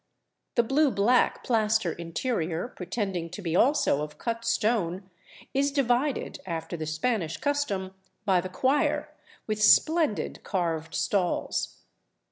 The blue black plaster interior, pretending to be also of cut stone, is divided, after the Spanish custom, by the choir, with splendid carved stalls.